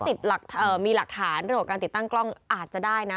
ติดมีหลักฐานเรื่องของการติดตั้งกล้องอาจจะได้นะ